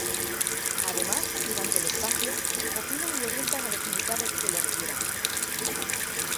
Además, durante el espacio, opinan y orientan a los invitados que lo requieran.